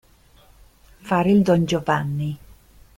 Fare il Don Giovanni.